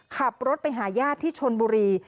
ขับรถไปหาญาติที่ชนบุรี